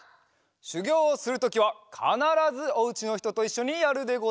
しゅぎょうをするときはかならずお家のひとといっしょにやるでござるぞ。